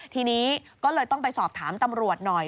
ทีนี้ก็เลยต้องไปสอบถามตำรวจหน่อย